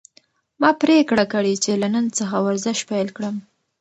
ما پریکړه کړې چې له نن څخه ورزش پیل کړم.